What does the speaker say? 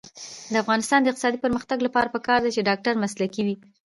د افغانستان د اقتصادي پرمختګ لپاره پکار ده چې ډاکټر مسلکي وي.